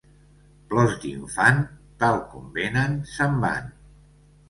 Plors d'infant, tal com venen, se'n van.